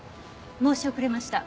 申し遅れました。